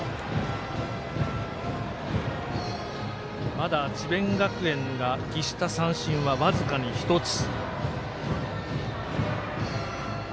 まだ智弁学園が喫した三振は僅かに１つ。